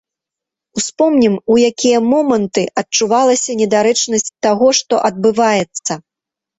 Успомнім, у якія моманты адчувалася недарэчнасць таго, што адбываецца.